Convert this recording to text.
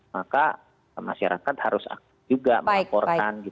maka masyarakat harus juga melaporkan gitu